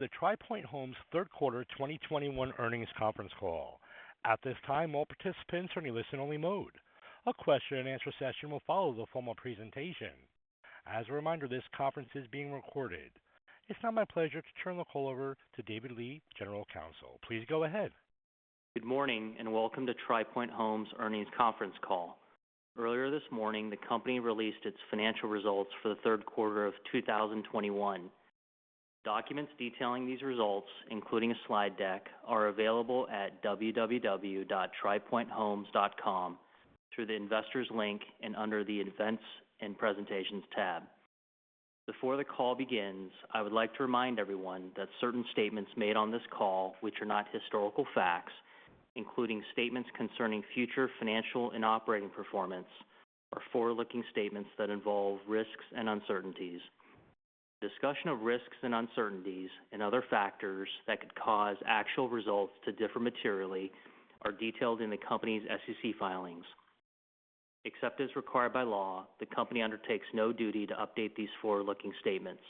The Tri Pointe Homes third quarter 2021 earnings conference call. At this time, all participants are in listen-only mode. A question and answer session will follow the formal presentation. As a reminder, this conference is being recorded. It's now my pleasure to turn the call over to David Lee, General Counsel. Please go ahead. Good morning, welcome to Tri Pointe Homes' earnings conference call. Earlier this morning, the company released its financial results for the third quarter of 2021. Documents detailing these results, including a slide deck, are available at www.tripointehomes.com through the Investors link and under the Events and Presentations tab. Before the call begins, I would like to remind everyone that certain statements made on this call, which are not historical facts, including statements concerning future financial and operating performance, are forward-looking statements that involve risks and uncertainties. Discussion of risks and uncertainties and other factors that could cause actual results to differ materially are detailed in the company's SEC filings. Except as required by law, the company undertakes no duty to update these forward-looking statements.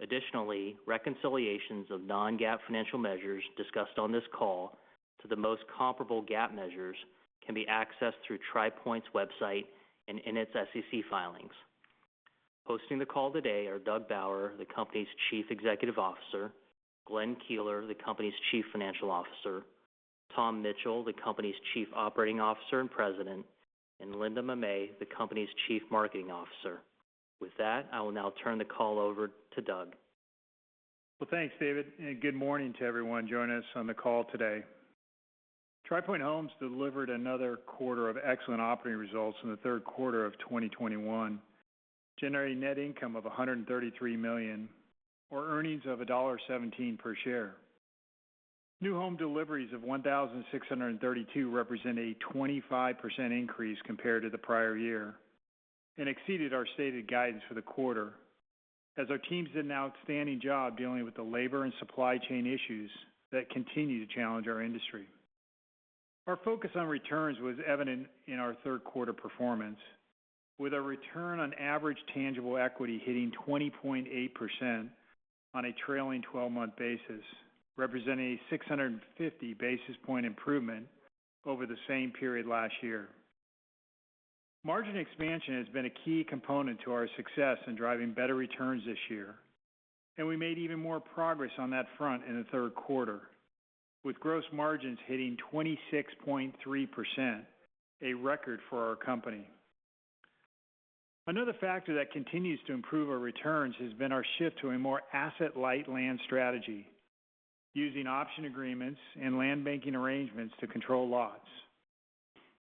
Additionally, reconciliations of non-GAAP financial measures discussed on this call to the most comparable GAAP measures can be accessed through Tri Pointe's website and in its SEC filings. Hosting the call today are Doug Bauer, the company's Chief Executive Officer, Glenn Keeler, the company's Chief Financial Officer, Tom Mitchell, the company's Chief Operating Officer and President, and Linda Mamet, the company's Chief Marketing Officer. With that, I will now turn the call over to Doug. Thanks, David, good morning to everyone joining us on the call today. Tri Pointe Homes delivered another quarter of excellent operating results in the third quarter of 2021, generating net income of $133 million, or earnings of $1.17 per share. New home deliveries of 1,632 represent a 25% increase compared to the prior year and exceeded our stated guidance for the quarter, as our teams did an outstanding job dealing with the labor and supply chain issues that continue to challenge our industry. Our focus on returns was evident in our third quarter performance, with our return on average tangible equity hitting 20.8% on a trailing 12-month basis, representing a 650 basis point improvement over the same period last year. Margin expansion has been a key component to our success in driving better returns this year. We made even more progress on that front in the third quarter, with gross margins hitting 26.3%, a record for our company. Another factor that continues to improve our returns has been our shift to a more asset-light land strategy using option agreements and land banking arrangements to control lots.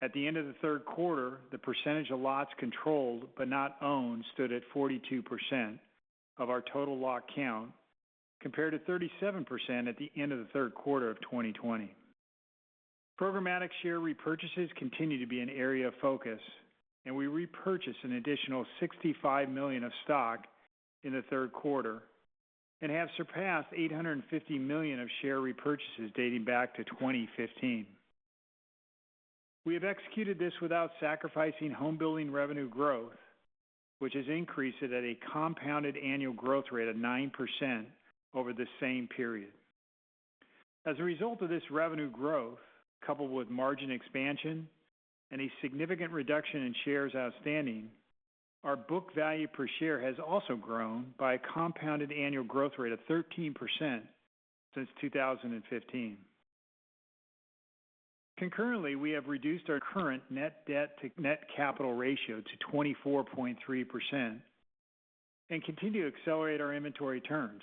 At the end of the third quarter, the percentage of lots controlled but not owned stood at 42% of our total lot count, compared to 37% at the end of the third quarter of 2020. Programmatic share repurchases continue to be an area of focus. We repurchased an additional $65 million of stock in the third quarter and have surpassed $850 million of share repurchases dating back to 2015. We have executed this without sacrificing home-building revenue growth, which has increased at a compounded annual growth rate of 9% over the same period. As a result of this revenue growth, coupled with margin expansion and a significant reduction in shares outstanding, our book value per share has also grown by a compounded annual growth rate of 13% since 2015. Concurrently, we have reduced our current net debt to net capital ratio to 24.3% and continue to accelerate our inventory turns.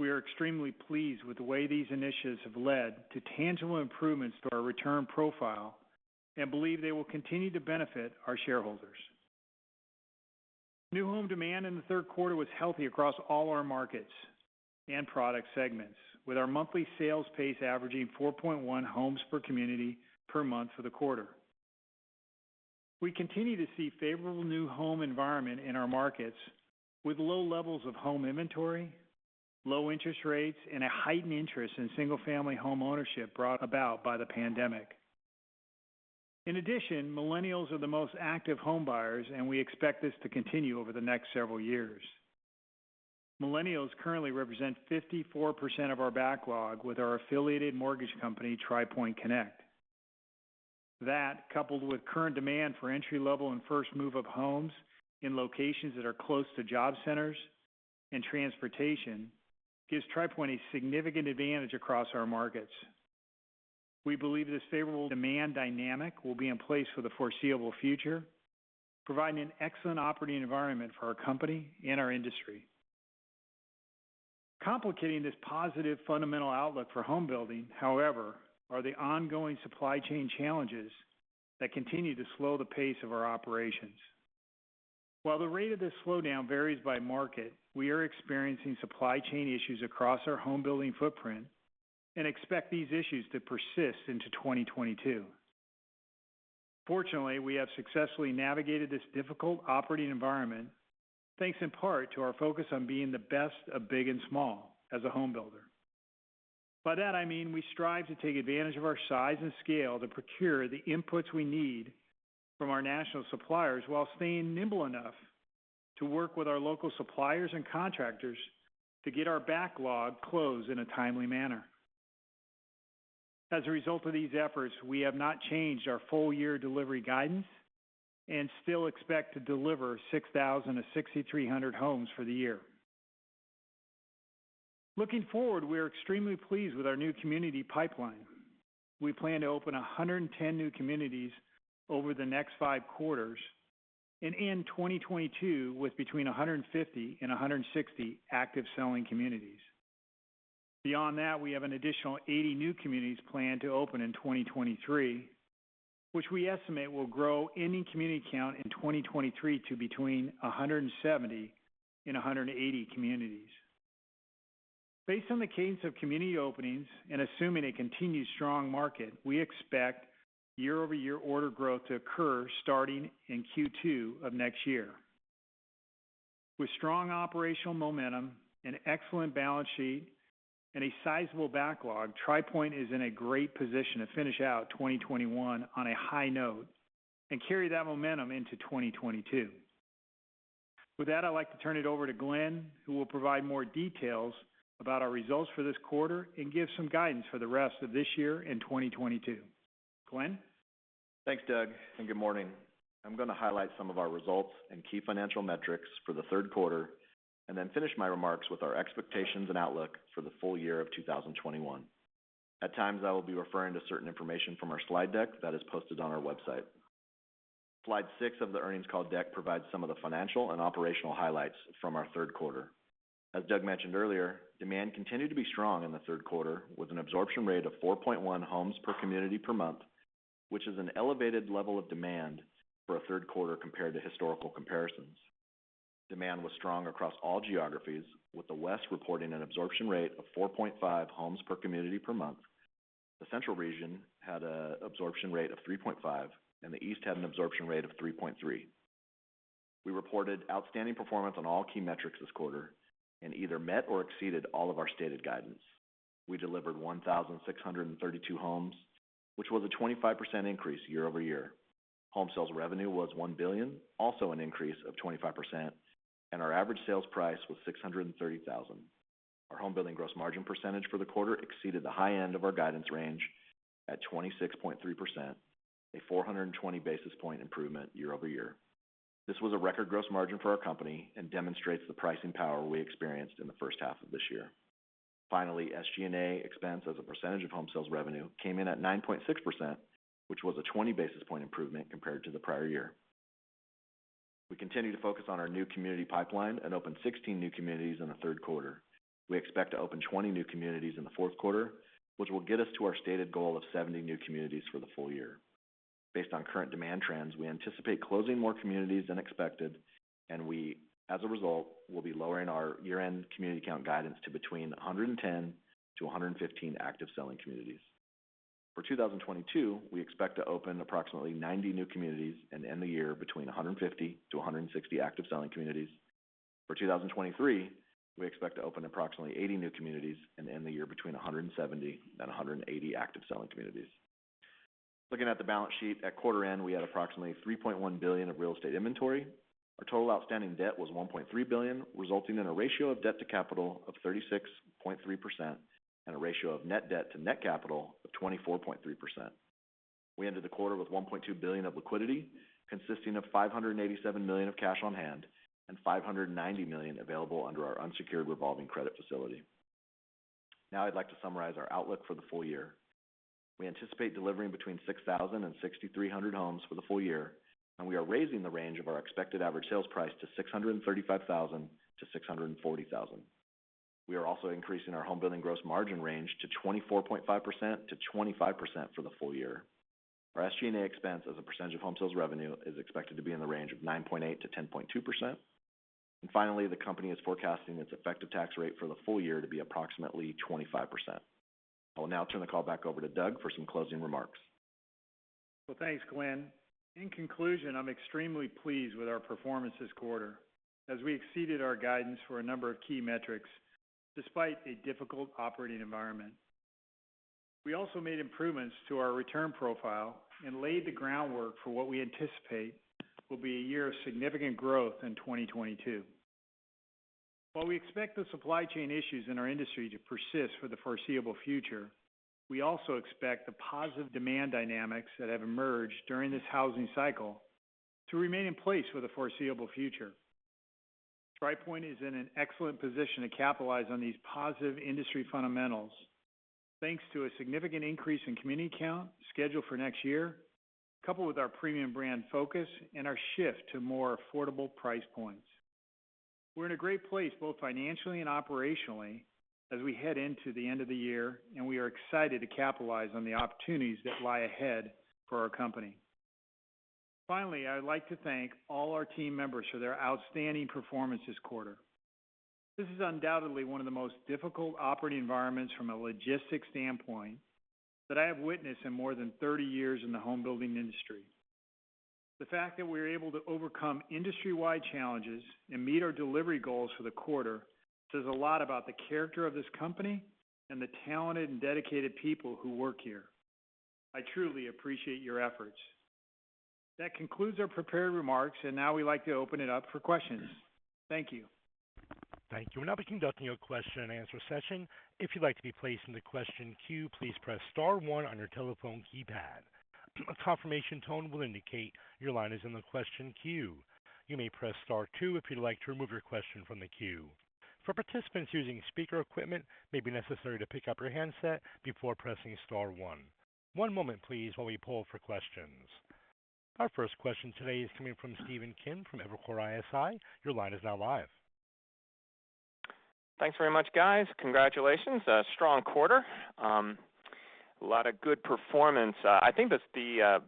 We are extremely pleased with the way these initiatives have led to tangible improvements to our return profile and believe they will continue to benefit our shareholders. New home demand in the third quarter was healthy across all our markets and product segments, with our monthly sales pace averaging 4.1 homes per community per month for the quarter. We continue to see favorable new home environment in our markets with low levels of home inventory, low interest rates, and a heightened interest in single-family home ownership brought about by the pandemic. In addition, Millennials are the most active home buyers, and we expect this to continue over the next several years. Millennials currently represent 54% of our backlog with our affiliated mortgage company, Tri Pointe Connect. That, coupled with current demand for entry-level and first move-up homes in locations that are close to job centers and transportation, gives Tri Pointe a significant advantage across our markets. We believe this favorable demand dynamic will be in place for the foreseeable future, providing an excellent operating environment for our company and our industry. Complicating this positive fundamental outlook for home building, however, are the ongoing supply chain challenges that continue to slow the pace of our operations. While the rate of this slowdown varies by market, we are experiencing supply chain issues across our home building footprint and expect these issues to persist into 2022. Fortunately, we have successfully navigated this difficult operating environment, thanks in part to our focus on being the best of big and small as a home builder. By that, I mean we strive to take advantage of our size and scale to procure the inputs we need from our national suppliers while staying nimble enough to work with our local suppliers and contractors to get our backlog closed in a timely manner. As a result of these efforts, we have not changed our full-year delivery guidance and still expect to deliver 6,000-6,300 homes for the year. Looking forward, we are extremely pleased with our new community pipeline. We plan to open 110 new communities over the next five quarters and end 2022 with between 150 and 160 active selling communities. Beyond that, we have an additional 80 new communities planned to open in 2023, which we estimate will grow ending community count in 2023 to between 170 and 180 communities. Based on the cadence of community openings and assuming a continued strong market, we expect year-over-year order growth to occur starting in Q2 of next year. With strong operational momentum, an excellent balance sheet, and a sizable backlog, Tri Pointe is in a great position to finish out 2021 on a high note and carry that momentum into 2022. With that, I'd like to turn it over to Glenn, who will provide more details about our results for this quarter and give some guidance for the rest of this year and 2022. Glenn? Thanks, Doug. Good morning. I'm going to highlight some of our results and key financial metrics for the third quarter, then finish my remarks with our expectations and outlook for the full year of 2021. At times, I will be referring to certain information from our slide deck that is posted on our website. Slide six of the earnings call deck provides some of the financial and operational highlights from our third quarter. As Doug mentioned earlier, demand continued to be strong in the third quarter with an absorption rate of 4.1 homes per community per month, which is an elevated level of demand for a third quarter compared to historical comparisons. Demand was strong across all geographies, with the West reporting an absorption rate of 4.5 homes per community per month. The Central region had an absorption rate of 3.5, and the East had an absorption rate of 3.3. We reported outstanding performance on all key metrics this quarter and either met or exceeded all of our stated guidance. We delivered 1,632 homes, which was a 25% increase year-over-year. Home sales revenue was $1 billion, also an increase of 25%, and our average sales price was $630,000. Our homebuilding gross margin percentage for the quarter exceeded the high end of our guidance range at 26.3%, a 420-basis-point improvement year-over-year. This was a record gross margin for our company and demonstrates the pricing power we experienced in the first half of this year. Finally, SG&A expense as a percentage of home sales revenue came in at 9.6%, which was a 20-basis-point improvement compared to the prior year. We continue to focus on our new community pipeline and opened 16 new communities in the third quarter. We expect to open 20 new communities in the fourth quarter, which will get us to our stated goal of 70 new communities for the full year. Based on current demand trends, we anticipate closing more communities than expected, and we, as a result, will be lowering our year-end community count guidance to between 110-115 active selling communities. For 2022, we expect to open approximately 90 new communities and end the year with between 150-160 active selling communities. For 2023, we expect to open approximately 80 new communities and end the year with between 170 and 180 active selling communities. Looking at the balance sheet, at quarter end, we had approximately $3.1 billion of real estate inventory. Our total outstanding debt was $1.3 billion, resulting in a ratio of debt to capital of 36.3% and a ratio of net debt to net capital of 24.3%. We ended the quarter with $1.2 billion of liquidity, consisting of $587 million of cash on hand and $590 million available under our unsecured revolving credit facility. I'd like to summarize our outlook for the full year. We anticipate delivering between 6,000 and 6,300 homes for the full year, and we are raising the range of our expected average sales price to $635,000-$640,000. We are also increasing our homebuilding gross margin range to 24.5%-25% for the full year. Our SG&A expense as a percentage of home sales revenue is expected to be in the range of 9.8%-10.2%. Finally, the company is forecasting its effective tax rate for the full year to be approximately 25%. I will now turn the call back over to Doug for some closing remarks. Well, thanks, Glenn. In conclusion, I'm extremely pleased with our performance this quarter as we exceeded our guidance for a number of key metrics despite a difficult operating environment. We also made improvements to our return profile and laid the groundwork for what we anticipate will be a year of significant growth in 2022. While we expect the supply chain issues in our industry to persist for the foreseeable future, we also expect the positive demand dynamics that have emerged during this housing cycle to remain in place for the foreseeable future. Tri Pointe is in an excellent position to capitalize on these positive industry fundamentals thanks to a significant increase in community count scheduled for next year, coupled with our premium brand focus and our shift to more affordable price points. We're in a great place both financially and operationally as we head into the end of the year, and we are excited to capitalize on the opportunities that lie ahead for our company. Finally, I'd like to thank all our team members for their outstanding performance this quarter. This is undoubtedly one of the most difficult operating environments from a logistics standpoint that I have witnessed in more than 30 years in the homebuilding industry. The fact that we were able to overcome industry-wide challenges and meet our delivery goals for the quarter says a lot about the character of this company and the talented and dedicated people who work here. I truly appreciate your efforts. That concludes our prepared remarks, and now we'd like to open it up for questions. Thank you. Thank you. We'll now be conducting a question-and-answer session. If you'd like to be placed in the question queue, please press star one on your telephone keypad. A confirmation tone will indicate your line is in the question queue. You may press star two if you'd like to remove your question from the queue. For participants using speaker equipment, it may be necessary to pick up your handset before pressing star one. One moment please, while we poll for questions. Our first question today is coming from Stephen Kim from Evercore ISI. Your line is now live. Thanks very much, guys. Congratulations. A strong quarter. A lot of good performance. I think that the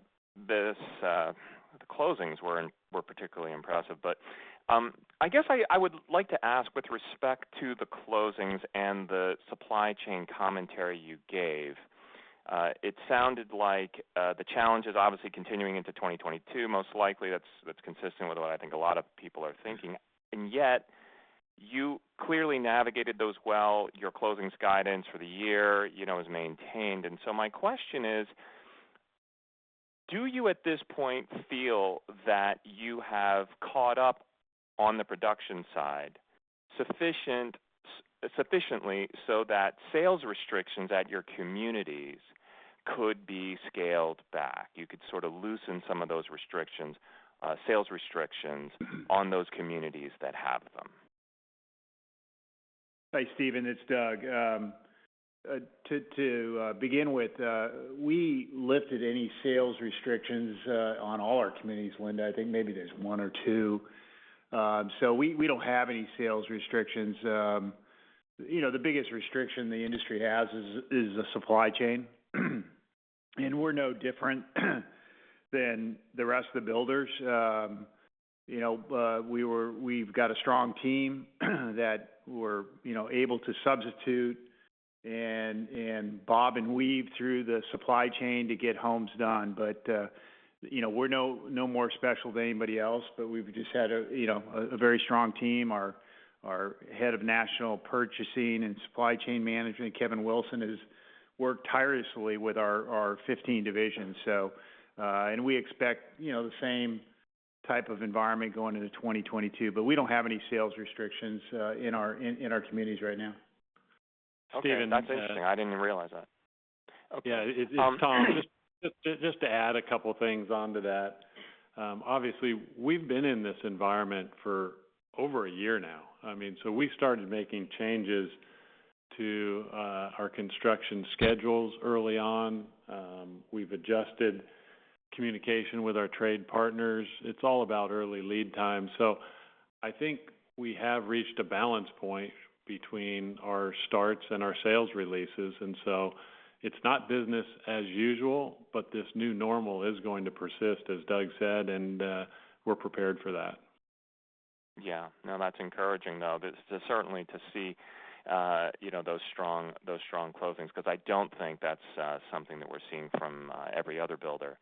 closings were particularly impressive. I guess I would like to ask with respect to the closings and the supply chain commentary you gave, it sounded like the challenge is obviously continuing into 2022, most likely. That's consistent with what I think a lot of people are thinking. Yet, you clearly navigated those well. Your closing guidance for the year is maintained. My question is, do you at this point feel that you have caught up on the production side sufficiently so that sales restrictions at your communities could be scaled back? You could sort of loosen some of those sales restrictions on those communities that have them. Hi, Stephen. It's Doug. We lifted any sales restrictions on all our communities. Linda, I think maybe there's one or two. We don't have any sales restrictions. The biggest restriction the industry has is the supply chain, and we're no different than the rest of the builders. We've got a strong team that we're able to substitute and bob and weave through the supply chain to get homes done. We're no more special than anybody else, but we've just had a very strong team. Our head of national purchasing and supply chain management, Kevin Wilson, has worked tirelessly with our 15 divisions. We expect the same type of environment going into 2022, but we don't have any sales restrictions in our communities right now. Okay. That's interesting. I didn't realize that. Yeah. It's Tom. Just to add a couple of things onto that. Obviously, we've been in this environment for over one year now. We started making changes to our construction schedules early on. We've adjusted communication with our trade partners. It's all about early lead time. I think we have reached a balance point between our starts and our sales releases, it's not business as usual, but this new normal is going to persist, as Doug said, and we're prepared for that. Yeah. No, that's encouraging, though, certainly to see those strong closings, because I don't think that's something that we're seeing from every other builder.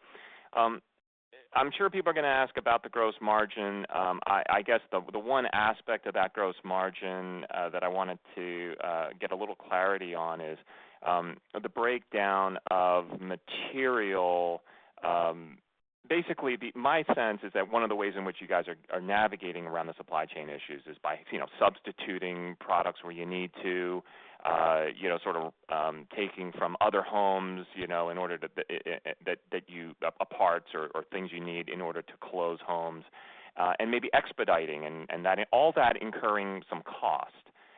I'm sure people are going to ask about the gross margin. I guess the one aspect of that gross margin that I wanted to get a little clarity on is the breakdown of material. Basically, my sense is that one of the ways in which you guys are navigating around the supply chain issues is by substituting products where you need to, sort of taking from other homes parts or things you need in order to close homes, and maybe expediting, and all that incurring some cost.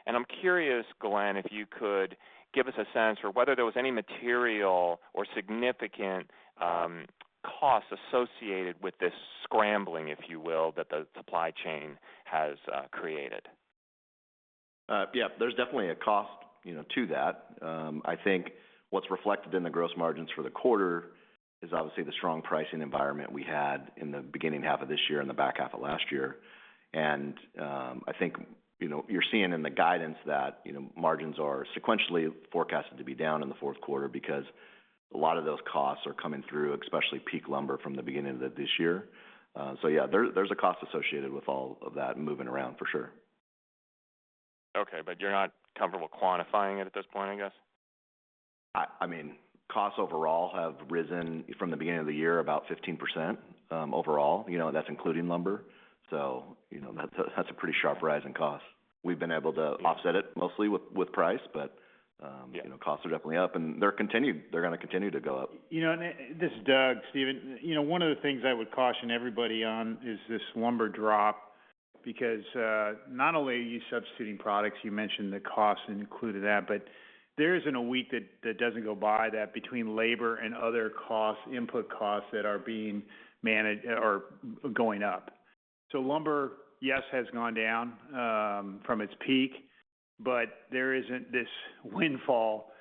I'm curious, Glenn, if you could give us a sense for whether there was any material or significant costs associated with this scrambling, if you will, that the supply chain has created. Yeah. There's definitely a cost to that. I think what's reflected in the gross margins for the quarter is obviously the strong pricing environment we had in the beginning half of this year and the back half of last year. I think you're seeing in the guidance that margins are sequentially forecasted to be down in the fourth quarter because a lot of those costs are coming through, especially peak lumber from the beginning of this year. Yeah, there's a cost associated with all of that moving around, for sure. Okay. You're not comfortable quantifying it at this point, I guess? Costs overall have risen from the beginning of the year about 15%, overall. That's a pretty sharp rise in cost. We've been able to offset it mostly with price, but costs are definitely up and they're going to continue to go up. This is Doug, Stephen. One of the things I would caution everybody on is this lumber drop, because not only are you substituting products, you mentioned the cost included in that, but there isn't a week that doesn't go by that between labor and other input costs that are going up. Lumber, yes, has gone down from its peak, but there isn't this windfall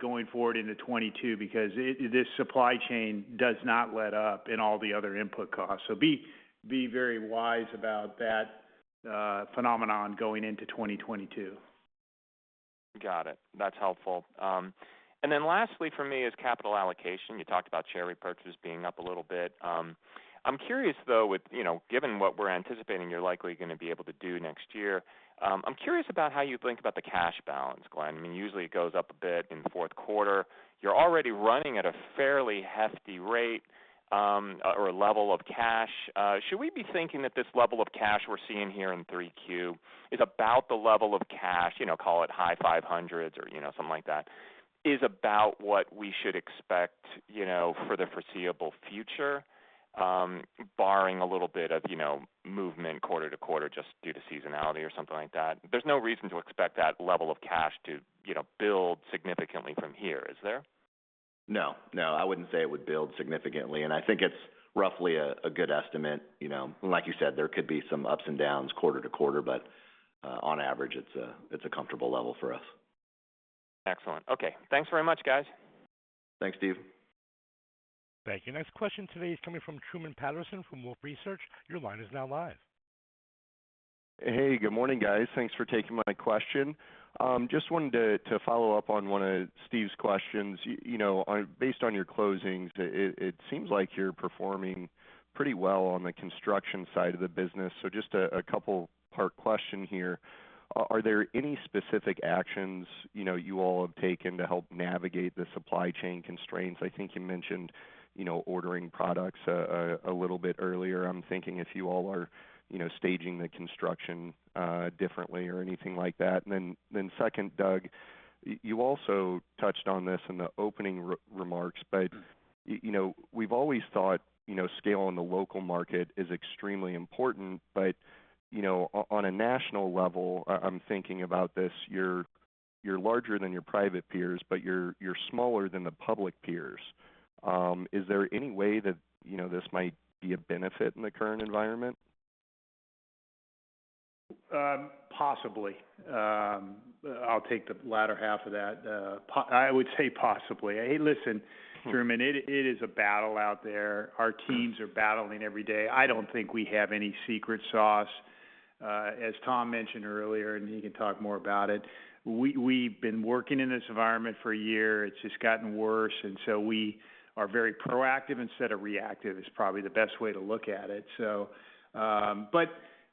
going forward into 2022 because this supply chain does not let up in all the other input costs. Be very wise about that phenomenon going into 2022. Got it. That's helpful. Then lastly for me is capital allocation. You talked about share repurchases being up a little bit. Given what we're anticipating you're likely going to be able to do next year, I'm curious about how you think about the cash balance, Glenn. Usually, it goes up a bit in the fourth quarter. You're already running at a fairly hefty rate, or a level of cash. Should we be thinking that this level of cash we're seeing here in 3Q is about the level of cash, call it high $500 or something like that, is about what we should expect for the foreseeable future? Barring a little bit of movement quarter to quarter, just due to seasonality or something like that. There's no reason to expect that level of cash to build significantly from here, is there? No. I wouldn't say it would build significantly. I think it's roughly a good estimate. Like you said, there could be some ups and downs quarter to quarter. On average it's a comfortable level for us. Excellent. Okay. Thanks very much, guys. Thanks, Steve. Thank you. Next question today is coming from Truman Patterson from Wolfe Research. Hey, good morning, guys. Thanks for taking my question. Just wanted to follow up on one of Steve's questions. Based on your closings, it seems like you're performing pretty well on the construction side of the business. Just a two-part question here. Are there any specific actions you all have taken to help navigate the supply chain constraints? I think you mentioned ordering products a little bit earlier. I'm thinking if you all are staging the construction differently or anything like that. Second, Doug, you also touched on this in the opening remarks, we've always thought scale in the local market is extremely important. On a national level, I'm thinking about this, you're larger than your private peers, but you're smaller than the public peers. Is there any way that this might be a benefit in the current environment? Possibly. I'll take the latter half of that. I would say possibly. Listen, Truman, it is a battle out there. Our teams are battling every day. I don't think we have any secret sauce. As Tom mentioned earlier, and he can talk more about it, we've been working in this environment for a year. It's just gotten worse, and so we are very proactive instead of reactive is probably the best way to look at it.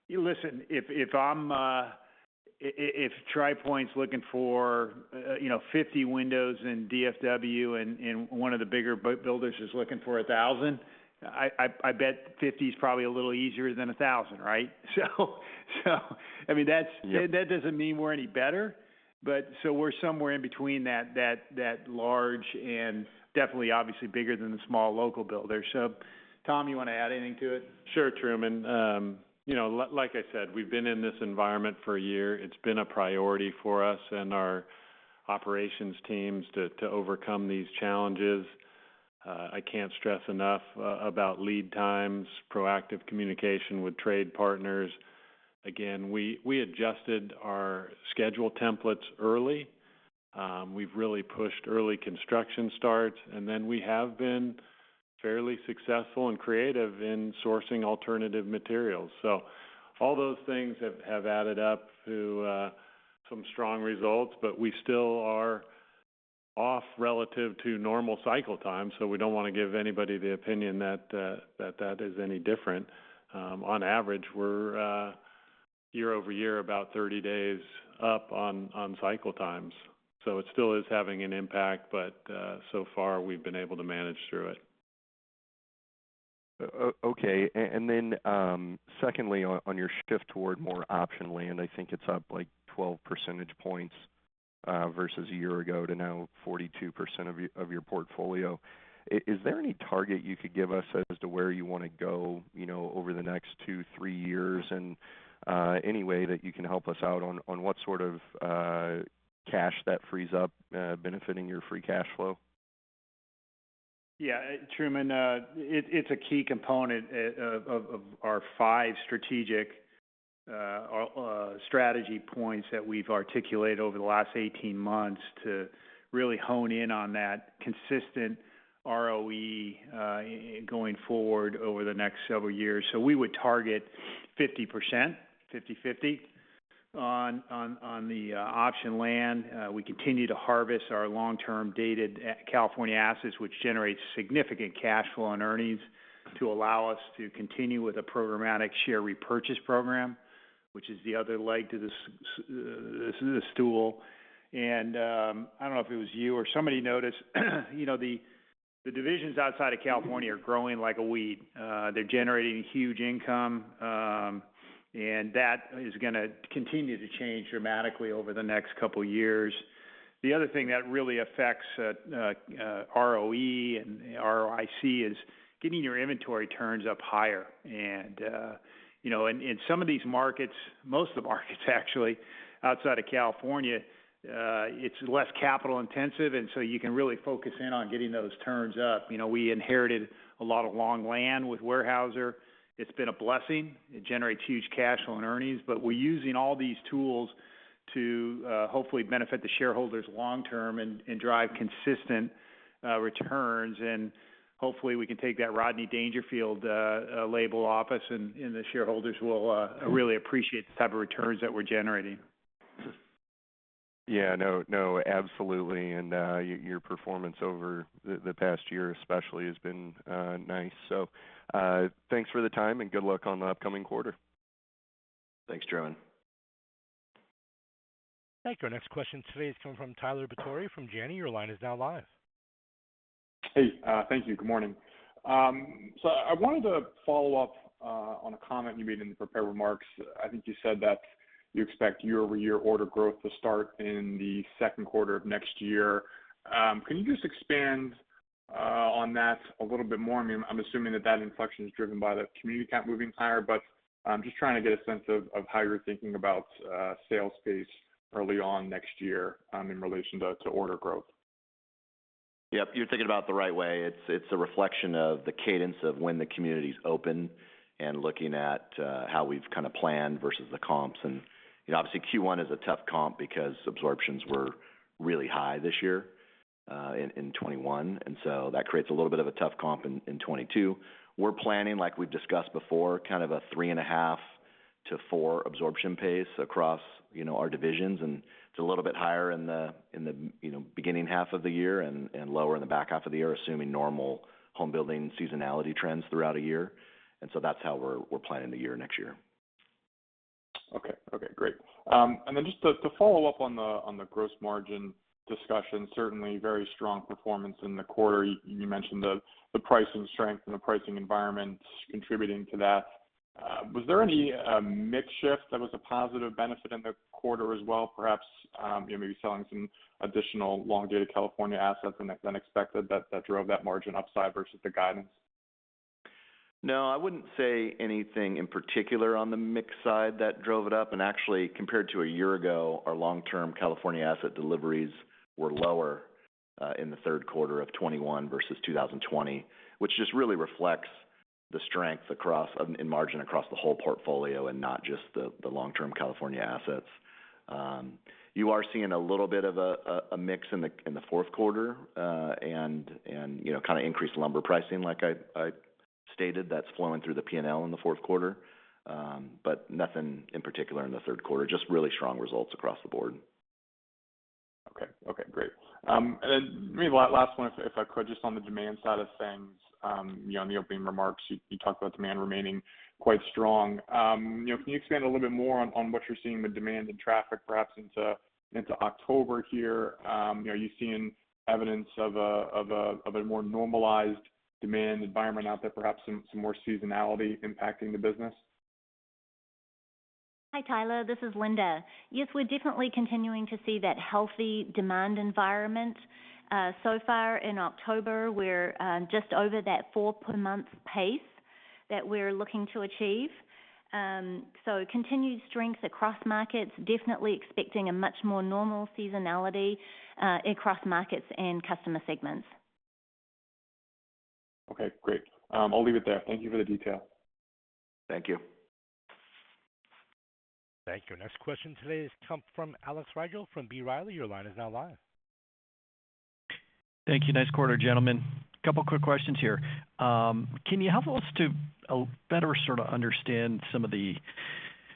Listen, if Tri Pointe's looking for 50 windows in DFW and one of the bigger builders is looking for 1,000, I bet 50 is probably a little easier than 1,000, right? That doesn't mean we're any better, but we're somewhere in between that large and definitely obviously bigger than the small local builders. Tom, you want to add anything to it? Sure, Truman. Like I said, we've been in this environment for a year. It's been a priority for us and our operations teams to overcome these challenges. I can't stress enough about lead times, proactive communication with trade partners. Again, we adjusted our schedule templates early. We've really pushed early construction starts, and then we have been fairly successful and creative in sourcing alternative materials. All those things have added up to some strong results, but we still are off relative to normal cycle times, so we don't want to give anybody the opinion that that is any different. On average, we're year-over-year about 30 days up on cycle times. It still is having an impact, but so far, we've been able to manage through it. Okay. Secondly, on your shift toward more option land, I think it's up like 12 percentage points versus a year ago to now 42% of your portfolio. Is there any target you could give us as to where you want to go over the next two, three years? Any way that you can help us out on what sort of cash that frees up benefiting your free cash flow? Yeah. Truman, it's a key component of our five strategy points that we've articulated over the last 18 months to really hone in on that consistent ROE going forward over the next several years. We would target 50% on the option land. We continue to harvest our long-term dated California assets, which generate significant cash flow and earnings to allow us to continue with a programmatic share repurchase program, which is the other leg to this stool. I don't know if it was you or somebody noticed, the divisions outside of California are growing like a weed. They're generating huge income, that is going to continue to change dramatically over the next couple of years. The other thing that really affects ROE and ROIC is getting your inventory turns up higher. In some of these markets, most of the markets actually outside of California, it's less capital intensive, so you can really focus in on getting those turns up. We inherited a lot of long land with Weyerhaeuser. It's been a blessing. It generates huge cash flow and earnings. We're using all these tools to hopefully benefit the shareholders long-term and drive consistent returns. Hopefully, we can take that Rodney Dangerfield label off us, and the shareholders will really appreciate the type of returns that we're generating. Yeah. No, absolutely. Your performance over the past year especially has been nice. Thanks for the time, and good luck on the upcoming quarter. Thanks, Truman. Thank you. Our next question today is coming from Tyler Batory from Janney. Your line is now live. Hey. Thank you. Good morning. I wanted to follow up on a comment you made in the prepared remarks. I think you said that you expect year-over-year order growth to start in the second quarter of next year. Can you just expand on that a little bit more? I'm assuming that that inflection is driven by the community count moving higher, but I'm just trying to get a sense of how you're thinking about sales pace early on next year, in relation to order growth. Yep, you're thinking about it the right way. It's a reflection of the cadence of when the communities open and looking at how we've kind of planned versus the comps. Obviously, Q1 is a tough comp because absorptions were really high this year, in 2021. That creates a little bit of a tough comp in 2022. We're planning, like we've discussed before, kind of a 3.5-4 absorption pace across our divisions. It's a little bit higher in the beginning half of the year and lower in the back half of the year, assuming normal home building seasonality trends throughout a year. That's how we're planning the year next year. Okay. Great. Just to follow up on the gross margin discussion, certainly very strong performance in the quarter. You mentioned the pricing strength and the pricing environment contributing to that. Was there any mix shift that was a positive benefit in the quarter as well, perhaps, maybe selling some additional long-dated California assets than expected, that drove that margin upside versus the guidance? No, I wouldn't say anything in particular on the mix side that drove it up. Actually, compared to a year ago, our long-term California asset deliveries were lower in the third quarter of 2021 versus 2020. Which just really reflects the strength in margin across the whole portfolio and not just the long-term California assets. You are seeing a little bit of a mix in the fourth quarter, and kind of increased lumber pricing, like I stated, that's flowing through the P&L in the fourth quarter. Nothing in particular in the third quarter, just really strong results across the board. Okay. Great. Maybe last one, if I could, just on the demand side of things. In the opening remarks, you talked about demand remaining quite strong. Can you expand a little bit more on what you're seeing with demand and traffic, perhaps into October here? Are you seeing evidence of a more normalized demand environment out there, perhaps some more seasonality impacting the business? Hi, Tyler, this is Linda. Yes, we're definitely continuing to see that healthy demand environment. Far in October, we're just over that four per month pace that we're looking to achieve. Continued strength across markets. Definitely expecting a much more normal seasonality, across markets and customer segments. Okay, great. I'll leave it there. Thank you for the detail. Thank you. Thank you. Our next question today comes from Alex Rygiel from B. Riley. Your line is now live. Thank you. Nice quarter, gentlemen. Couple of quick questions here. Can you help us to better sort of understand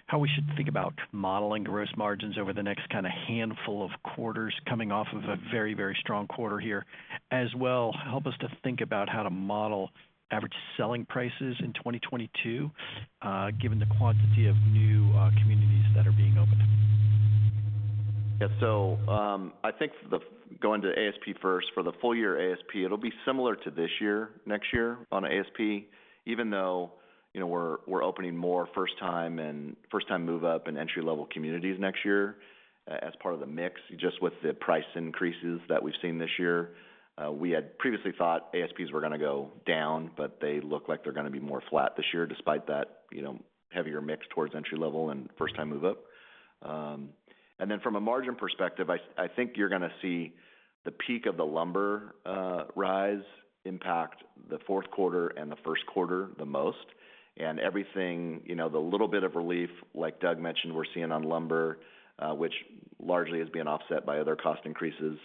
how we should think about modeling gross margins over the next kind of handful of quarters, coming off of a very, very strong quarter here? As well, help us to think about how to model average selling prices in 2022, given the quantity of new communities that are being opened. Yeah. I think going to ASP first. For the full year ASP, it'll be similar to this year, next year on ASP, even though we're opening more first-time and first-time move-up and entry-level communities next year as part of the mix. Just with the price increases that we've seen this year, we had previously thought ASPs were going to go down, but they look like they're going to be more flat this year, despite that heavier mix towards entry level and first-time move-up. From a margin perspective, I think you're going to see the peak of the lumber rise impact the fourth quarter and the first quarter the most. Everything, the little bit of relief, like Doug mentioned, we're seeing on lumber, which largely is being offset by other cost increases,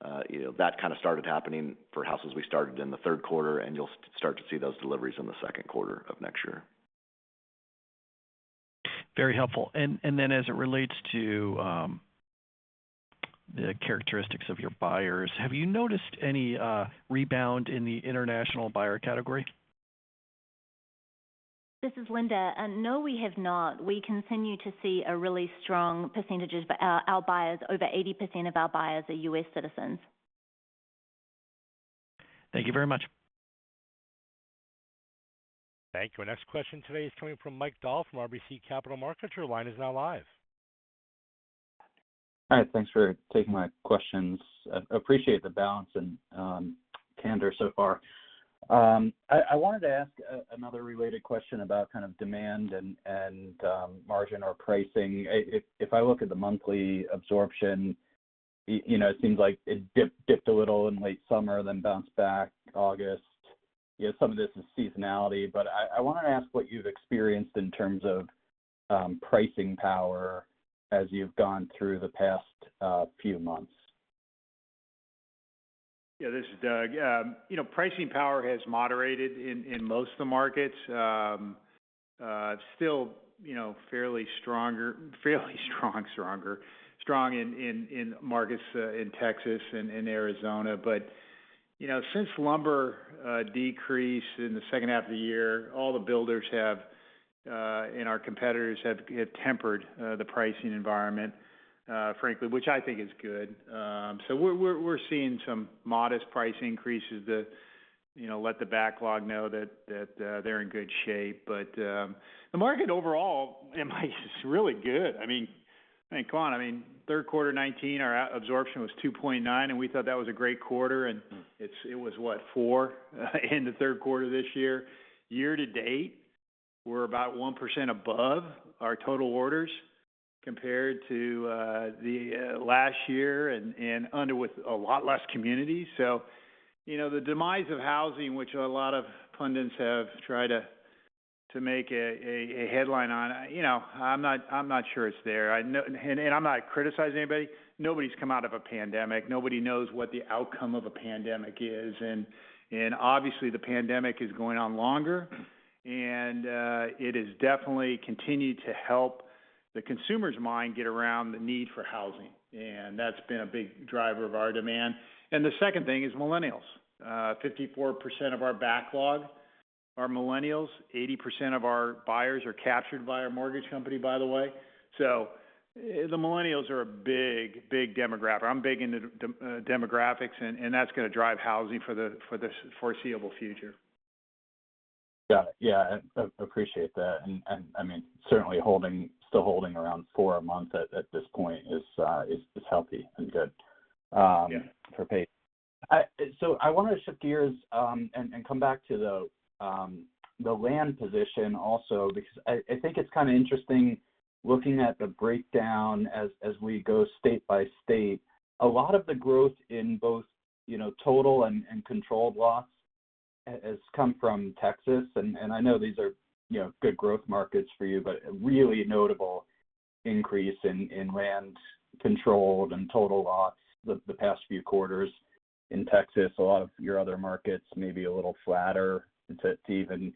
that kind of started happening for houses we started in the third quarter, and you'll start to see those deliveries in the second quarter of next year. Very helpful. As it relates to the characteristics of your buyers, have you noticed any rebound in the international buyer category? This is Linda. No, we have not. We continue to see a really strong percentages. Over 80% of our buyers are U.S. citizens. Thank you very much. Thank you. Our next question today is coming from Mike Dahl from RBC Capital Markets. Your line is now live. All right. Thanks for taking my questions. Appreciate the balance and candor so far. I wanted to ask another related question about kind of demand and margin or pricing. If I look at the monthly absorption, it seems like it dipped a little in late summer, then bounced back August. Some of this is seasonality, but I want to ask what you've experienced in terms of pricing power as you've gone through the past few months. Yeah, this is Doug. Pricing power has moderated in most of the markets. Still fairly strong in markets in Texas and in Arizona. Since lumber decreased in the second half of the year, all the builders have, and our competitors have tempered the pricing environment, frankly, which I think is good. We're seeing some modest price increases that let the backlog know that they're in good shape. The market overall, Mike, is really good. Come on, third quarter 2019, our absorption was 2.9, and we thought that was a great quarter. It was, what, four in the third quarter this year. Year to date, we're about 1% above our total orders compared to the last year and under with a lot less communities. The demise of housing, which a lot of pundits have tried to make a headline on, I'm not sure it's there. I'm not criticizing anybody. Nobody's come out of a pandemic. Nobody knows what the outcome of a pandemic is, and obviously, the pandemic is going on longer, and it has definitely continued to help the consumer's mind get around the need for housing. That's been a big driver of our demand. The second thing is millennials. 54% of our backlog are millennials. 80% of our buyers are captured by our mortgage company, by the way. The millennials are a big demographic. I'm big into demographics, and that's going to drive housing for the foreseeable future. Got it. Yeah. I appreciate that. Certainly, still holding around 4 a month at this point is healthy and good. Yeah for pace. I want to shift gears and come back to the land position also, because I think it's kind of interesting looking at the breakdown as we go state by state. A lot of the growth in both total and controlled lots has come from Texas, and I know these are good growth markets for you, but a really notable increase in land controlled and total lots the past few quarters in Texas. A lot of your other markets may be a little flatter to even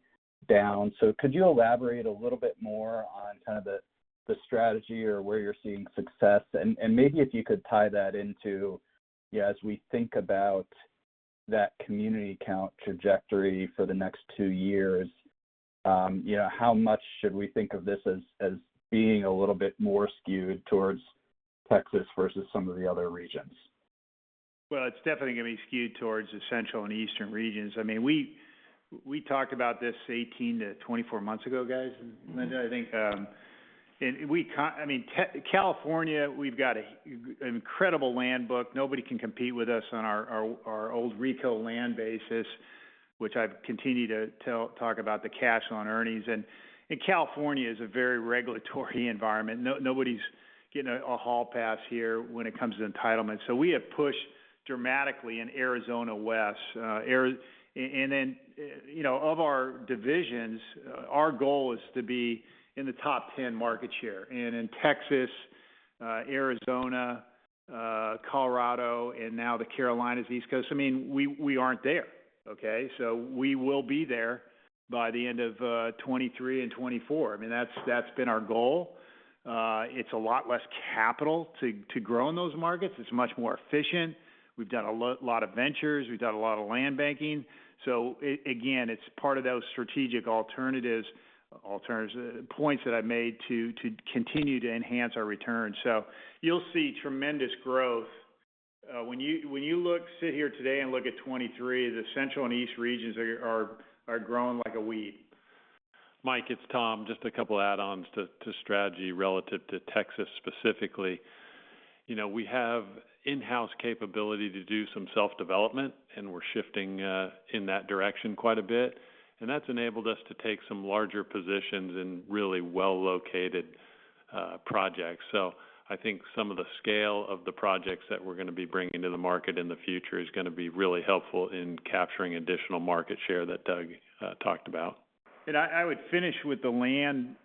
down. Could you elaborate a little bit more on kind of the strategy or where you're seeing success? Maybe if you could tie that into, as we think about that community count trajectory for the next two years, how much should we think of this as being a little bit more skewed towards Texas versus some of the other regions? Well, it's definitely going to be skewed towards the Central and Eastern regions. We talked about this 18-24 months ago, guys. Linda, I think. California, we've got an incredible land book. Nobody can compete with us on our old WRECO land basis, which I've continued to talk about the cash on earnings. California is a very regulatory environment. Nobody's getting a hall pass here when it comes to entitlements. We have pushed dramatically in Arizona west. Of our divisions, our goal is to be in the top 10 market share. In Texas, Arizona, Colorado, and now the Carolinas, East Coast, we aren't there. We will be there by the end of 2023 and 2024. That's been our goal. It's a lot less capital to grow in those markets. It's much more efficient. We've done a lot of ventures. We've done a lot of land banking. Again, it's part of those strategic alternatives points that I made to continue to enhance our returns. You'll see tremendous growth. When you sit here today and look at 2023, the Central and East regions are growing like a weed. Mike, it's Tom. Just a couple add-ons to strategy relative to Texas specifically. We have in-house capability to do some self-development, and we're shifting in that direction quite a bit, and that's enabled us to take some larger positions in really well-located projects. I think some of the scale of the projects that we're going to be bringing to the market in the future is going to be really helpful in capturing additional market share that Doug talked about. I would finish with the land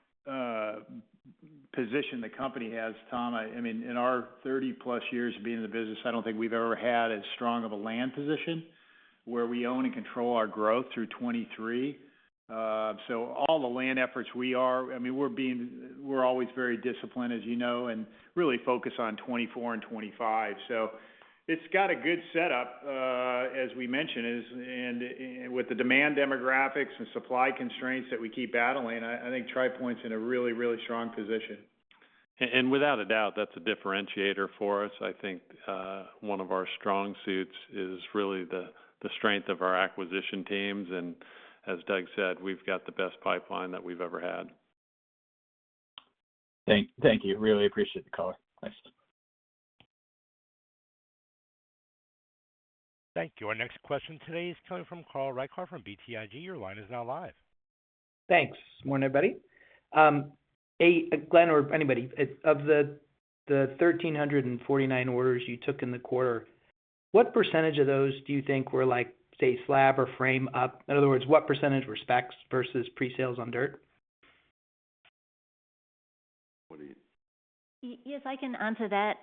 position the company has, Tom. In our 30+ years of being in the business, I don't think we've ever had as strong of a land position where we own and control our growth through 2023. All the land efforts, we're always very disciplined, as you know, and really focus on 2024 and 2025. It's got a good setup, as we mentioned. With the demand demographics and supply constraints that we keep battling, I think Tri Pointe is in a really strong position. Without a doubt, that's a differentiator for us. I think one of our strong suits is really the strength of our acquisition teams, and as Doug said, we've got the best pipeline that we've ever had. Thank you. Really appreciate the call. Thanks. Thank you. Our next question today is coming from Carl Reichardt from BTIG. Your line is now live. Thanks. Good morning, everybody. Glenn, or anybody, of the 1,349 orders you took in the quarter, what percent of those do you think were, say, slab or frame up? In other words, what percent were specs versus pre-sales on dirt? Yes, I can answer that.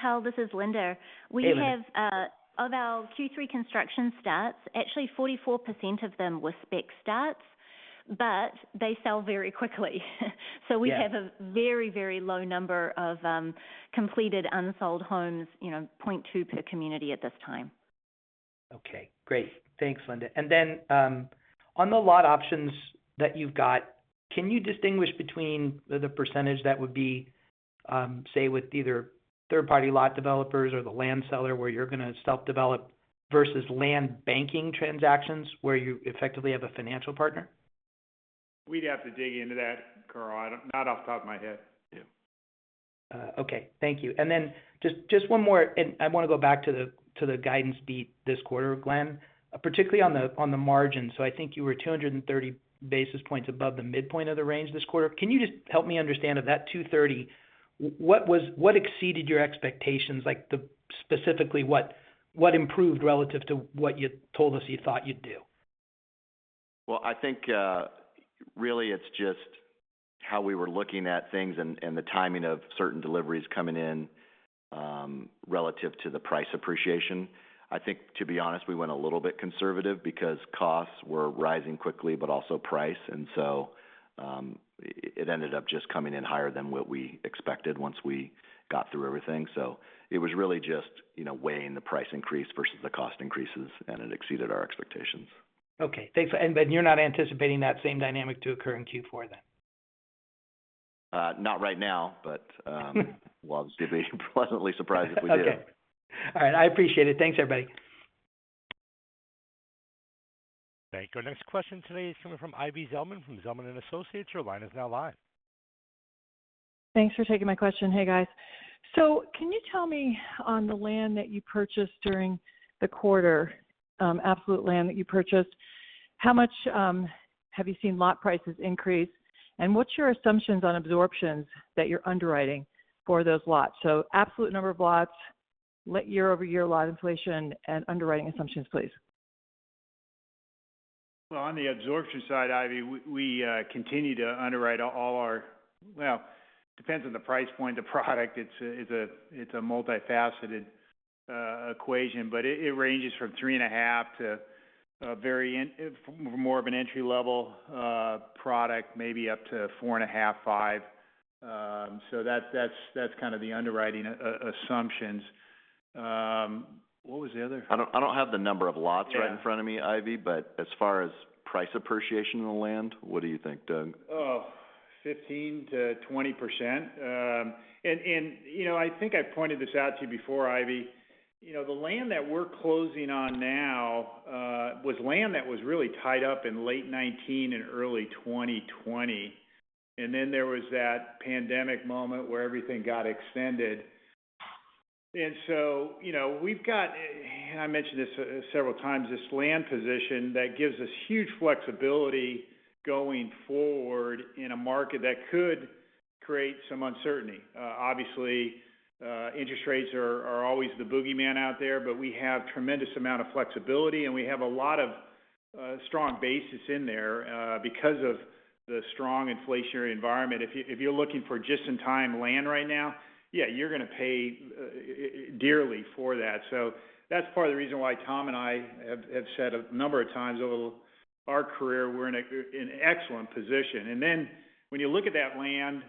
Carl, this is Linda. Hey, Linda. Of our Q3 construction starts, actually, 44% of them were spec starts, but they sell very quickly. Yeah. We have a very low number of completed unsold homes, 0.2 per community at this time. Okay, great. Thanks, Linda. Then, on the lot options that you've got, can you distinguish between the percentage that would be, say, with either third-party lot developers or the land seller where you're going to self-develop versus land banking transactions, where you effectively have a financial partner? We'd have to dig into that, Carl. Not off the top of my head. Yeah. Okay. Thank you. Just one more, I want to go back to the guidance beat this quarter, Glenn, particularly on the margin. I think you were 230 basis points above the midpoint of the range this quarter. Can you just help me understand, of that 230, what exceeded your expectations? Specifically, what improved relative to what you told us you thought you'd do? Well, I think really, it's just how we were looking at things and the timing of certain deliveries coming in relative to the price appreciation. I think, to be honest, we went a little bit conservative because costs were rising quickly, but also price. It ended up just coming in higher than what we expected once we got through everything. It was really just weighing the price increase versus the cost increases, and it exceeded our expectations. Okay, thanks. You're not anticipating that same dynamic to occur in Q4, then? Not right now, but we'll be pleasantly surprised if we do. Okay. All right, I appreciate it. Thanks, everybody. Thank you. Our next question today is coming from Ivy Zelman, from Zelman & Associates. Your line is now live. Thanks for taking my question. Hey, guys. Can you tell me on the land that you purchased during the quarter, absolute land that you purchased, how much have you seen lot prices increase, and what's your assumptions on absorptions that you're underwriting for those lots? Absolute number of lots, year-over-year lot inflation, and underwriting assumptions, please. Well, depends on the price point of the product. It's a multifaceted equation, but it ranges from three and a half to more of an entry-level product, maybe up to four and a half, five. That's kind of the underwriting assumptions. What was the other? I don't have the number of lots right in front of me, Ivy, but as far as price appreciation in the land, what do you think, Doug? 15%-20%. I think I pointed this out to you before, Ivy. The land that we're closing on now was land that was really tied up in late 2019 and early 2020, and then there was that pandemic moment where everything got extended. We've got, and I mentioned this several times, this land position that gives us huge flexibility going forward in a market that could create some uncertainty. Obviously, interest rates are always the boogeyman out there, but we have a tremendous amount of flexibility, and we have a lot of strong bases in there because of the strong inflationary environment. If you're looking for just-in-time land right now, yeah, you're going to pay dearly for that. That's part of the reason why Tom and I have said a number of times over our career we're in an excellent position. When you look at that land,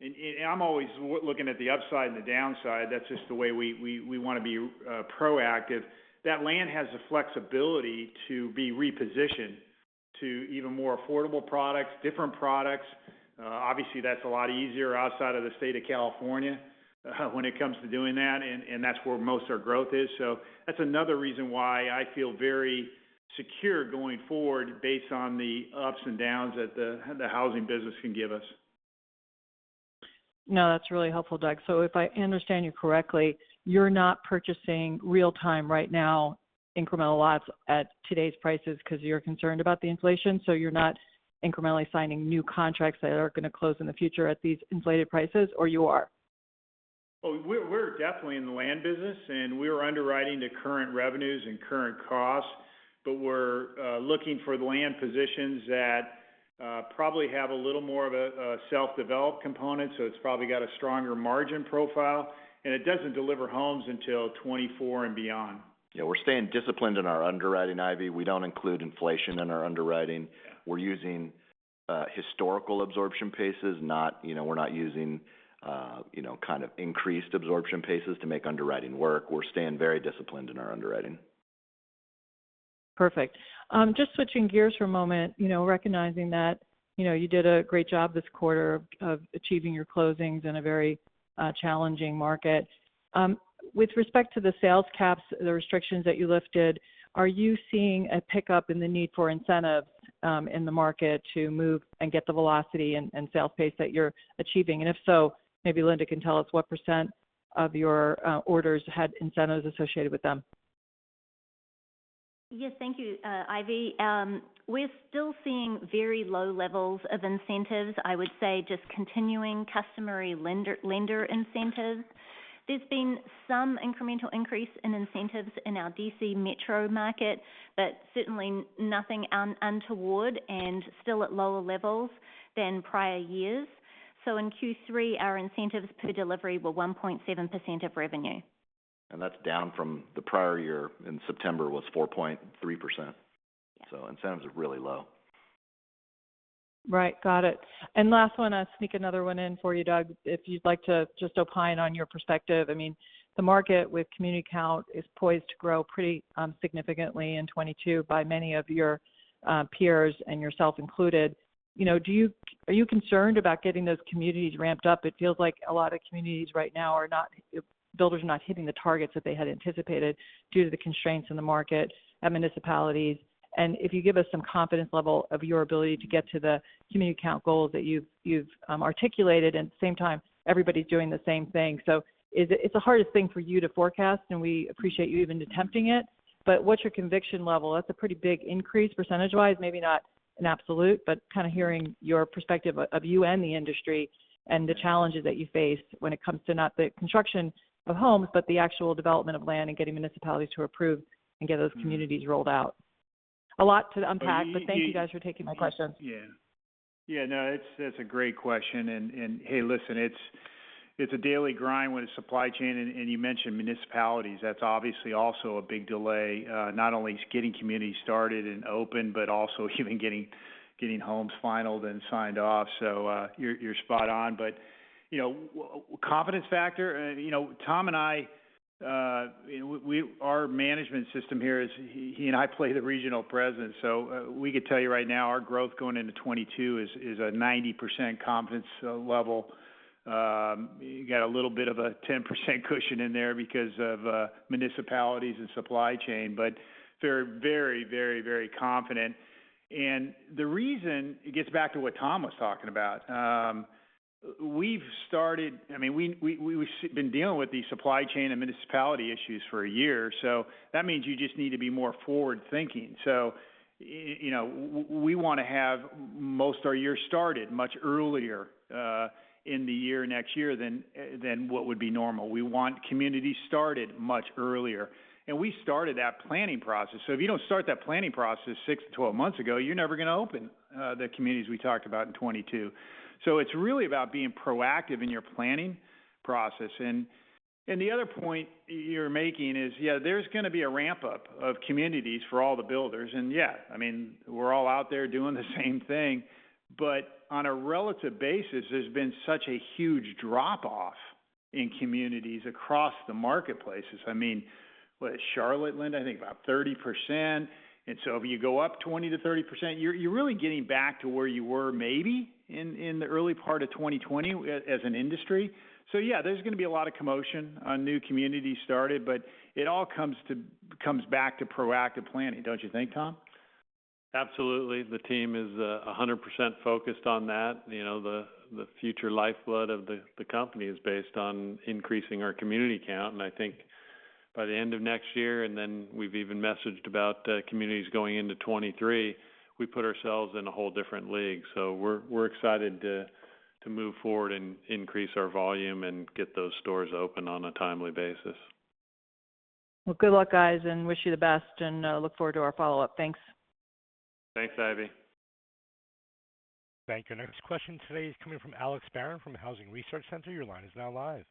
and I'm always looking at the upside and the downside, that's just the way we want to be proactive. That land has the flexibility to be repositioned to even more affordable products, different products. Obviously, that's a lot easier outside of the state of California when it comes to doing that, and that's where most our growth is. That's another reason why I feel very secure going forward based on the ups and downs that the housing business can give us. No, that's really helpful, Doug. If I understand you correctly, you're not purchasing real time right now incremental lots at today's prices because you're concerned about the inflation, so you're not incrementally signing new contracts that are going to close in the future at these inflated prices, or you are? Well, we're definitely in the land business, and we're underwriting to current revenues and current costs, but we're looking for the land positions that probably have a little more of a self-develop component, so it's probably got a stronger margin profile, and it doesn't deliver homes until 2024 and beyond. Yeah, we're staying disciplined in our underwriting, Ivy. We don't include inflation in our underwriting. We're using historical absorption paces. We're not using increased absorption paces to make underwriting work. We're staying very disciplined in our underwriting. Perfect. Just switching gears for a moment, recognizing that you did a great job this quarter of achieving your closings in a very challenging market. With respect to the sales caps, the restrictions that you lifted, are you seeing a pickup in the need for incentives in the market to move and get the velocity and sales pace that you're achieving? If so, maybe Linda can tell us what % of your orders had incentives associated with them. Yes, thank you, Ivy. We're still seeing very low levels of incentives. I would say just continuing customary lender incentives. There's been some incremental increase in incentives in our D.C. Metro market, certainly nothing untoward, and still at lower levels than prior years. In Q3, our incentives per delivery were 1.7% of revenue. That's down from the prior year. In September, it was 4.3%. Yes. Incentives are really low. Right. Got it. Last one, I'll sneak another one in for you, Doug, if you'd like to just opine on your perspective. The market with community count is poised to grow pretty significantly in 2022 by many of your peers and yourself included. Are you concerned about getting those communities ramped up? It feels like a lot of communities right now, builders are not hitting the targets that they had anticipated due to the constraints in the market and municipalities. If you give us some confidence level of your ability to get to the community count goals that you've articulated, and at the same time, everybody's doing the same thing. It's the hardest thing for you to forecast, and we appreciate you even attempting it, but what's your conviction level? That's a pretty big increase percentage-wise. Maybe not an absolute, but kind of hearing your perspective of you and the industry and the challenges that you face when it comes to not the construction of homes, but the actual development of land and getting municipalities to approve and get those communities rolled out. A lot to unpack but thank you, guys for taking my questions. Yes. Yeah. That's a great question. Hey, listen, it's a daily grind when it's supply chain, and you mentioned municipalities. That's obviously also a big delay, not only getting communities started and open, but also even getting homes final and signed off. You're spot on. Confidence factor, Tom and I, our management system here is he and I play the regional presidents. We could tell you right now, our growth going into 2022 is a 90% confidence level. You got a little bit of a 10% cushion in there because of municipalities and supply chain, but very confident. The reason, it gets back to what Tom was talking about. We've been dealing with these supply chain and municipality issues for a year, so that means you just need to be more forward-thinking. We want to have most our year started much earlier in the year next year than what would be normal. We want communities started much earlier. We started that planning process. If you don't start that planning process 6-12 months ago, you're never going to open the communities we talked about in 2022. It's really about being proactive in your planning process. The other point you're making is, yeah, there's going to be a ramp-up of communities for all the builders. Yeah, we're all out there doing the same thing. On a relative basis, there's been such a huge drop-off in communities across the marketplaces. What is it, Charlotte, Linda? I think about 30%. If you go up 20%-30%, you're really getting back to where you were maybe in the early part of 2020 as an industry. Yeah, there's going to be a lot of commotion on new communities started, it all comes back to proactive planning. Don't you think, Tom? Absolutely. The team is 100% focused on that. The future lifeblood of the company is based on increasing our community count, and I think by the end of next year, and then we've even messaged about communities going into 2023, we put ourselves in a whole different league. We're excited to move forward and increase our volume and get those stores open on a timely basis. Well, good luck, guys, and wish you the best, and look forward to our follow-up. Thanks. Thanks, Ivy. Thank you. Next question today is coming from Alex Barron from Housing Research Center. Your line is now live.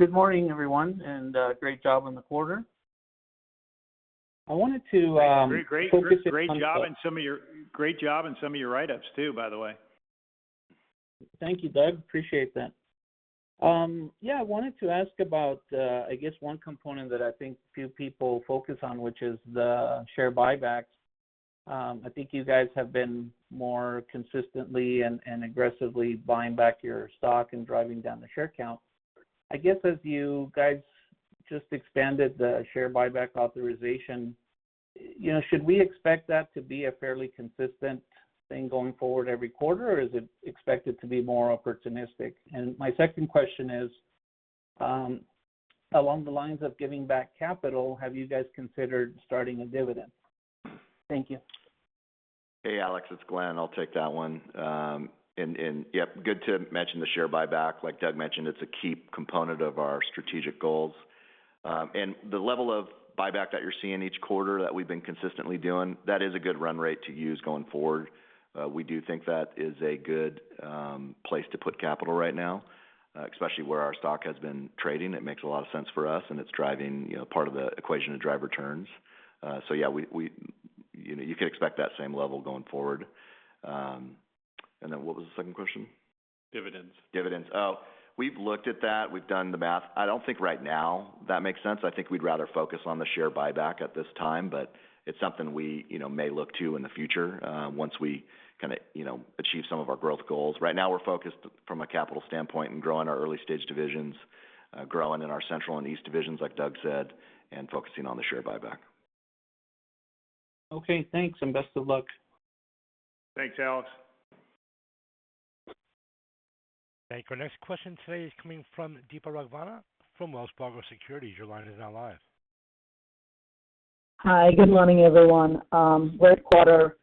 Good morning, everyone, and great job on the quarter. Great job on some of your write-ups, too, by the way. Thank you, Doug. Appreciate that. Yeah, I wanted to ask about, I guess one component that I think few people focus on, which is the share buybacks. I think you guys have been more consistently and aggressively buying back your stock and driving down the share count. I guess as you guys just expanded the share buyback authorization, should we expect that to be a fairly consistent thing going forward every quarter, or is it expected to be more opportunistic? My second question is, along the lines of giving back capital, have you guys considered starting a dividend? Thank you. Hey, Alex. It's Glenn. I'll take that one. Yeah, good to mention the share buyback. Like Doug mentioned, it's a key component of our strategic goals. The level of buyback that you're seeing each quarter that we've been consistently doing, that is a good run rate to use going forward. We do think that is a good place to put capital right now, especially where our stock has been trading. It makes a lot of sense for us, and it's part of the equation to drive returns. Yeah, you could expect that same level going forward. What was the second question? Dividends. Dividends. Oh, we've looked at that. We've done the math. I don't think right now that makes sense. I think we'd rather focus on the share buyback at this time. It's something we may look to in the future once we achieve some of our growth goals. Right now, we're focused from a capital standpoint in growing our early-stage divisions, growing in our Central and East Divisions, like Doug said, and focusing on the share buyback. Okay, thanks, and best of luck. Thanks, Alex. Thank you. Our next question today is coming from Deepa Raghavan from Wells Fargo Securities. Your line is now live. Hi, good morning, everyone. Great quarter.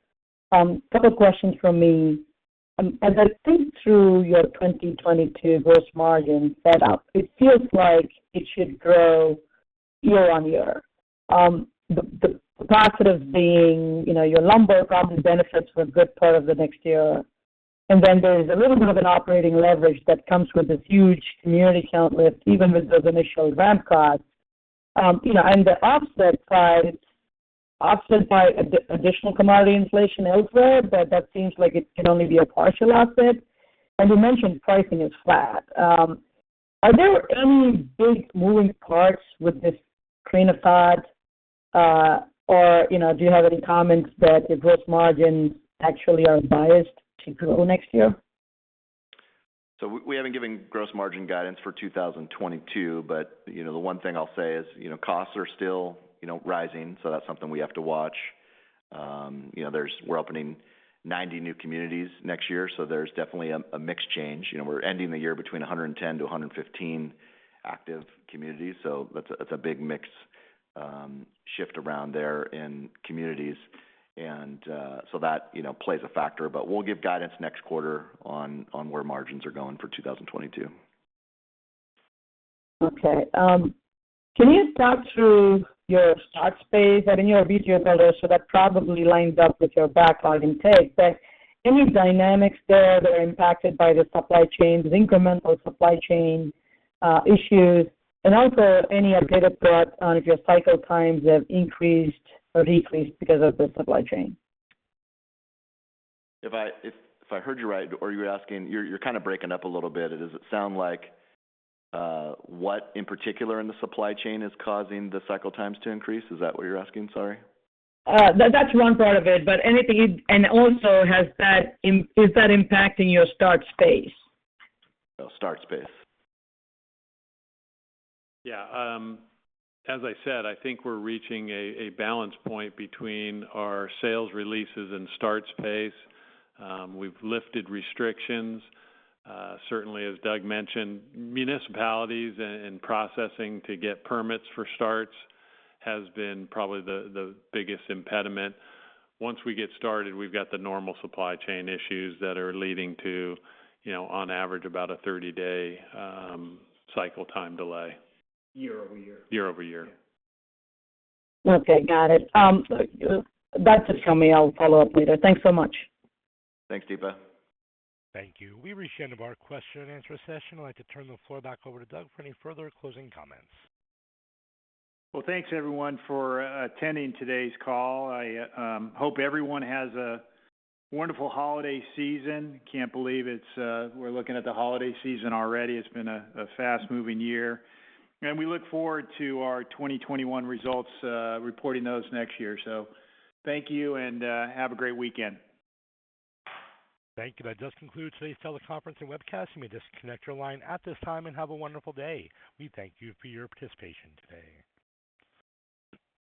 Couple questions from me. As I think through your 2022 gross margin setup, it feels like it should grow year-over-year. The positive being, your lumber probably benefits for a good part of the next year, then there's a little bit of an operating leverage that comes with this huge community count lift, even with those initial ramp costs. The offset side, offset by additional commodity inflation elsewhere, that seems like it can only be a partial offset. You mentioned pricing is flat. Are there any big moving parts with this train of thought? Do you have any comments that the gross margin actually are biased to grow next year? We haven't given gross margin guidance for 2022. The one thing I'll say is, costs are still rising, that's something we have to watch. We're opening 90 new communities next year, there's definitely a mix change. We're ending the year between 110-115 active communities, that's a big mix shift around there in communities. That plays a factor, we'll give guidance next quarter on where margins are going for 2022. Okay. Can you talk through your starts pace? I know you are BTO builder, so that probably lines up with your backlog intake, but any dynamics there that are impacted by the supply chains, incremental supply chain issues, and also any update up front on if your cycle times have increased or decreased because of the supply chain? If I heard you right, your kind of breaking up a little bit. Does it sound like what in particular in the supply chain is causing the cycle times to increase? Is that what you're asking? Sorry. That's one part of it, but anything, and also is that impacting your starts pace? Starts pace. Yeah. As I said, I think we're reaching a balance point between our sales releases and starts pace. We've lifted restrictions. Certainly, as Doug mentioned, municipalities and processing to get permits for starts has been probably the biggest impediment. Once we get started, we've got the normal supply chain issues that are leading to on average about a 30-day cycle time delay. Year-over-year. Year-over-year. Okay, got it. That's it from me. I'll follow up later. Thanks so much. Thanks, Deepa. Thank you. We've reached the end of our question-and-answer session. I'd like to turn the floor back over to Doug for any further closing comments. Well, thanks everyone for attending today's call. I hope everyone has a wonderful holiday season. Can't believe we're looking at the holiday season already. It's been a fast-moving year. We look forward to our 2021 results, reporting those next year. Thank you and have a great weekend. Thank you. That does conclude today's teleconference and webcast. You may disconnect your line at this time and have a wonderful day. We thank you for your participation today.